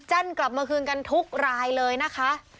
กลับมาคืนกันทุกรายเลยนะคะ